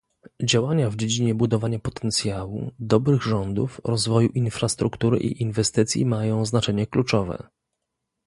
Działania w dziedzinie budowania potencjału, dobrych rządów, rozwoju infrastruktury i inwestycji mają znaczenie kluczowe